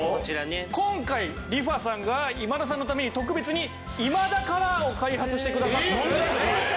今回リファさんが今田さんのために特別に今田カラーを開発してくださったんです。